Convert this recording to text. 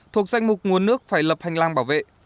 thuộc danh mục nguồn nước phải lập hành lang bảo vệ